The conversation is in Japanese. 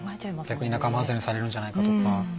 逆に仲間外れにされるんじゃないかとか。